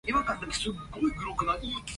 亂拋垃圾，人見人憎